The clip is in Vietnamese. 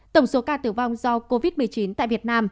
tổng số ca tử vong do covid một mươi chín tại việt nam